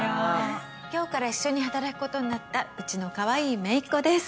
今日から一緒に働くことになったうちのかわいいめいっ子です。